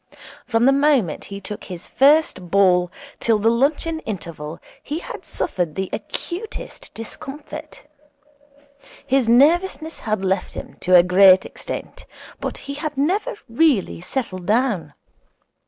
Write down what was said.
From the moment he took his first ball till the luncheon interval he had suffered the acutest discomfort. His nervousness had left him to a great extent, but he had never really settled down.